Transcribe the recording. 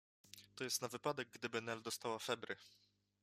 To jest na wypadek, gdyby Nel dostała febry.